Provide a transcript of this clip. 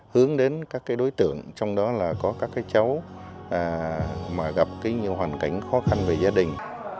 hướng đến các đối tượng trong đó là có các cháu mà gặp nhiều hoàn cảnh khó khăn về gia đình